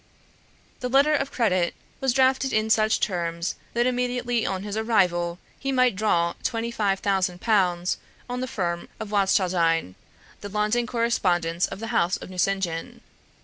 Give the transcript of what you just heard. The letter of credit was drafted in such terms that immediately on his arrival he might draw twenty five thousand pounds on the firm of Watschildine, the London correspondents of the house of Nucingen.